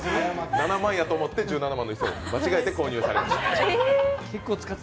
７万やと思って１７万の椅子を間違って購入しました。